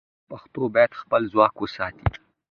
پښتو باید خپل ځواک وساتي.